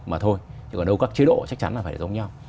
mà thôi chứ ở đâu các chế độ chắc chắn là phải giống nhau